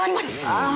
ああ。